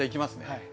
はい。